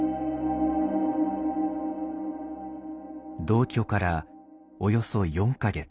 同居からおよそ４か月。